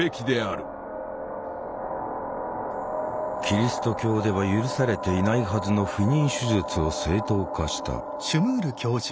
キリスト教では許されていないはずの不妊手術を正当化した。